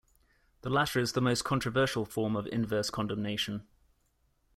The latter is the most controversial form of inverse condemnation.